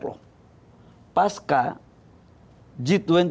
kita ini sekarang on the track